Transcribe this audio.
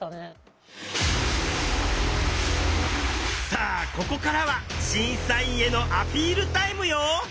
さあここからは審査員へのアピールタイムよ。